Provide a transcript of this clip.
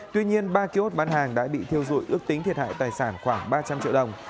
tuy nhiên ba kiosk bán hàng đã bị thiêu dụi ước tính thiệt hại tài sản khoảng ba trăm linh triệu đồng